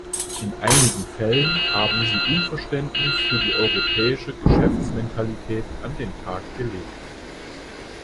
In einigen Fällen haben sie Unverständnis für die europäische Geschäftsmentalität an den Tag gelegt.